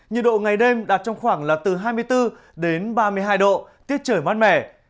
nhiệt độ ngày đêm đạt trong khoảng là từ hai mươi bốn đến ba mươi hai độ tiết trời mát mẻ